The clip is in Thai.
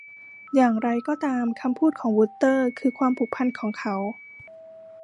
อย่างไรก็ตาม คำพูดของวูสเตอร์คือความผูกพันของเขา